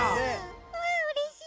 うわうれしい！